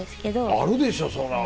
あるでしょそら！